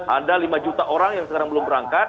ada lima juta orang yang sekarang belum berangkat